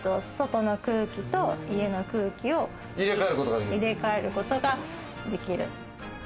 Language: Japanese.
この機械で外の空気と家の空気を入れ替えることができる。